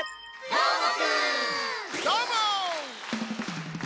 どーも！